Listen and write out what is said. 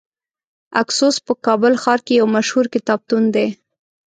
اکسوس په کابل ښار کې یو مشهور کتابتون دی .